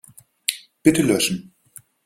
Bitte löschen.